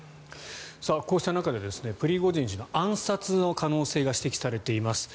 こうした中でプリゴジン氏の暗殺の可能性が指摘されています。